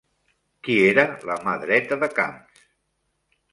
Qui era la mà dreta de Camps?